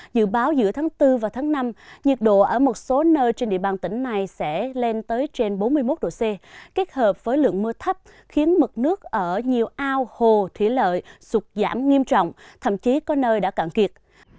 dự báo giữa tháng bốn và tháng năm nhiệt độ ở một số nơi trên địa bàn tỉnh này sẽ lên tới trên bốn mươi một độ c kết hợp với lượng mưa thấp khiến mực nước ở nhiều ao hồ thủy lợi sụt giảm nghiêm trọng thậm chí có nơi đã cạn kiệt